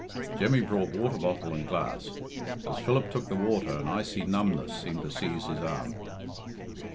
Jemmy brought water bottle and glass. As Philip took the water an icy numbness seemed to seize his arm.